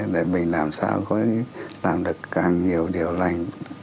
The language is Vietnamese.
để mình làm sao có làm được càng nhiều điều lành